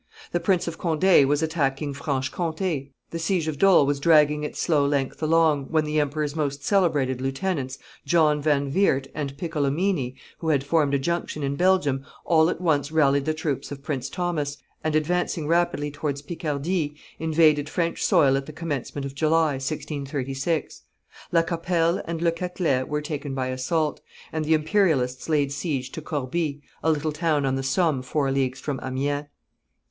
The Prince of Conde was attacking Franche Comte; the siege of Dole was dragging its slow length along, when the emperor's most celebrated lieutenants, John van Weert and Piccolomini, who had formed a junction in Belgium, all at once rallied the troops of Prince Thomas, and, advancing rapidly towards Picardy, invaded French soil at the commencement of July, 1636. La Capelle and Le Catelet were taken by assault, and the Imperialists laid siege to Corbie, a little town on the Somme four leagues from Amiens.